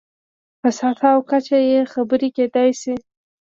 په سطحه او کچه یې خبرې کېدای شي.